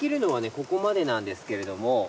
ここまでなんですけれども。